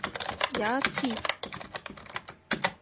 有一次